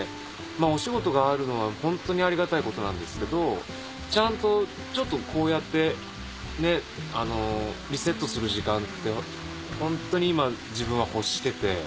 お仕事があるのはホントにありがたいことなんですけどちゃんとちょっとこうやってリセットする時間ってホントに今自分は欲してて。